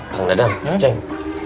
kang dadan ceng